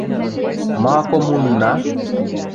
— Ма коммуна?